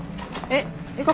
えっ？